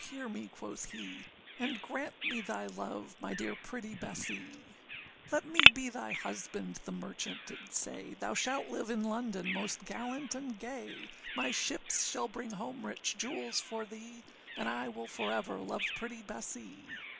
hear me,â quoth he, âAnd grant me thy love, my dear pretty Bessee.â âLet me be thy husband,â the merchant did say, âThou shalt live in London most gallant and gay; My ships shall bring home rich jewels for thee, And I will for ever love pretty Bessee.